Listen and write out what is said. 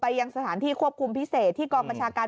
ยังสถานที่ควบคุมพิเศษที่กองบัญชาการ